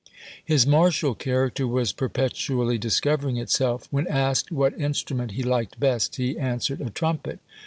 His martial character was perpetually discovering itself. When asked what instrument he liked best, he answered, "a trumpet."